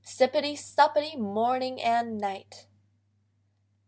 Sippity, suppity, morning and night.